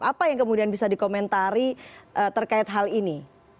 apa yang kemudian bisa dikomentari terkait hal ini